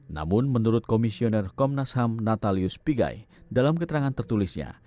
namun menurut komisioner komnas ham natalius pigai dalam keterangan tertulisnya